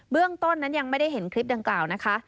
เรื่องต้นนั้นยังไม่ได้เห็นคลิปดังกล่าวนะคะ